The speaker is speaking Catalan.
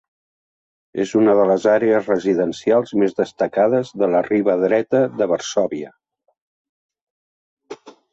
És una de les àrees residencials més destacades de la riba dreta de Varsòvia.